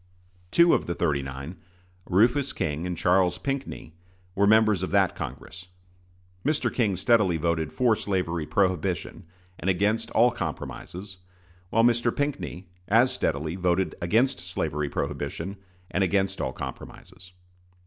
Two of the "thirty nine" Rufus King and Charles Pinckney were members of that Congress. Mr. King steadily voted for slavery prohibition and against all compromises, while Mr. Pinckney as steadily voted against slavery prohibition and against all compromises.